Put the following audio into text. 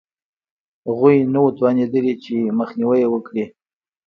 غوی نه وو توانېدلي چې مخنیوی یې وکړي